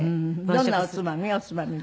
どんなおつまみ？